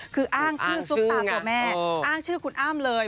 คืออ้างชื่อซุปตาตัวแม่อ้างชื่อคุณอ้ำเลย